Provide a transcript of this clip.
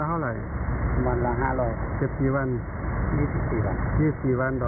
อัตรระ๑๒๐๐๐๐๒๔๐๐๐บาท